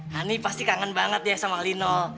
hani pasti kangen banget ya sama lino